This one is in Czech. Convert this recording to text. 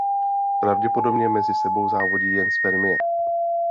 Pravděpodobně mezi sebou závodí jen spermie.